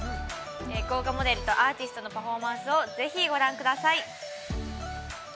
豪華モデルとアーティストのパフォーマンスをぜひご覧ください。